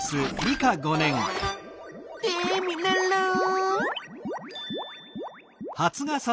テミルンルン！